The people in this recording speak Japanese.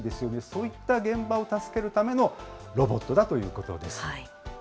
そういった現場を助けるためのロボットだということです。